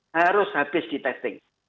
harus habis di testing